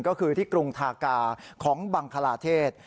ก็คือที่กรุงทากาของบังคลาเทศ